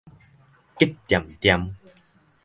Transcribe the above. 激恬恬